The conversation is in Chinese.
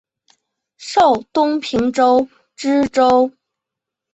授东平州知州。